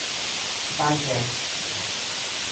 Bagé